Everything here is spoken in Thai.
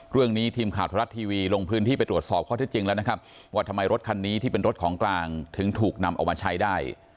ทีมข่าวธรรมรัฐทีวีลงพื้นที่ไปตรวจสอบข้อที่จริงแล้วนะครับว่าทำไมรถคันนี้ที่เป็นรถของกลางถึงถูกนำออกมาใช้ได้